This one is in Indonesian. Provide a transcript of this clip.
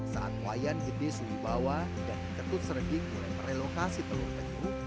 saat wayan gede sui bawah dan ketut serging mulai merelokasi telur tengu